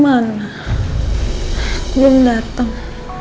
yang mana belum dateng